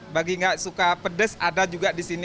bagi gak suka pedas ada juga disini